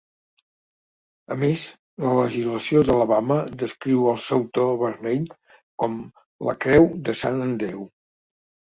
A més, la legislació d'Alabama descriu el sautor vermell com la creu de Sant Andreu.